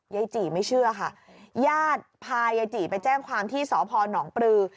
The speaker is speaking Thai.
จีไม่เชื่อค่ะญาติพายายจีไปแจ้งความที่สพนปลือ